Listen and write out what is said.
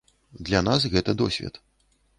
Для нас гэта досвед.